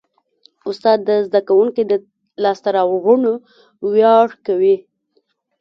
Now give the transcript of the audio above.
استاد د زده کوونکي د لاسته راوړنو ویاړ کوي.